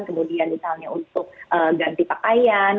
kemudian misalnya untuk ganti pakaian